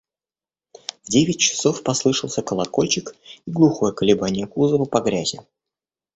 В девять часов послышался колокольчик и глухое колебание кузова по грязи.